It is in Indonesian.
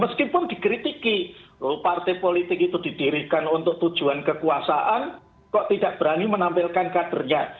meskipun dikritiki loh partai politik itu didirikan untuk tujuan kekuasaan kok tidak berani menampilkan kadernya